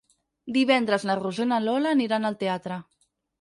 Divendres na Rosó i na Lola aniran al teatre.